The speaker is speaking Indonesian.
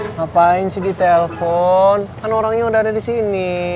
ngapain sih di telpon kan orangnya udah ada di sini